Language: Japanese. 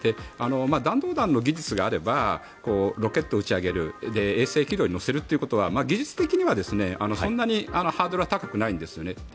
弾道弾の技術があればロケットを打ち上げる衛星軌道に乗せるということは技術的には、そんなにハードルは高くないんですね。